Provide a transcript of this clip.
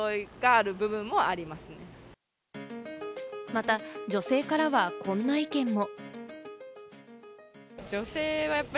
また、女性からはこんな意見も。